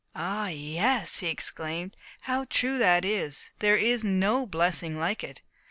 "Ah, yes!" he exclaimed, "how true that is! There is no blessing like it."